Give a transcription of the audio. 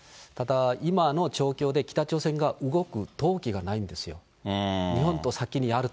ただ、今の状況で北朝鮮が動く動機がないんですよ。